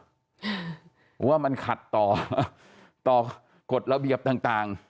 ผมว่ามันขัดต่อกฎระเบียบต่าง